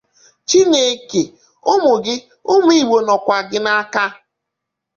Chineke, ụmụ Gị, ụmụ Igbo nọkwa Gị n’aka